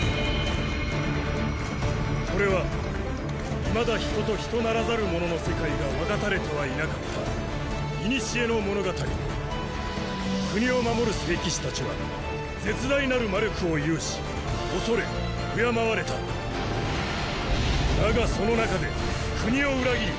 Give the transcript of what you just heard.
これはいまだ人と人ならざるものの世界が分かたれてはいなかった古の物語国を守る聖騎士たちは絶大なる魔力を有し恐れ敬われただがその中で国を裏切り